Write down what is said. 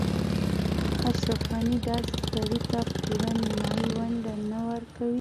اشرف غني داسې سړي ته پوره نیمايي ونډه نه ورکوي.